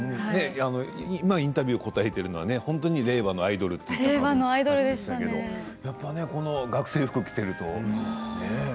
今インタビューを答えているのはね、令和のアイドルという感じでしたけど学生服を着るとね。